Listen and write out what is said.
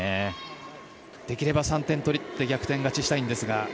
できれば３点取って逆転勝ちしたいんですが。